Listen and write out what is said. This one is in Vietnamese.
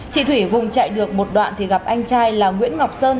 chị thủy vùng chạy được một đoạn thì gặp anh trai là nguyễn ngọc sơn